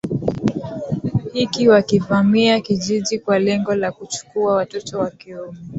hiki wakivamia kijiji kwa lengo la kuchukua watoto wa kiume